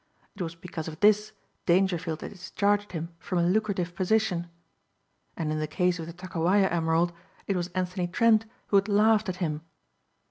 It was because of this, Dangerfield had discharged him from a lucrative position. And in the case of the Takowaja emerald it was Anthony Trent who had laughed at him.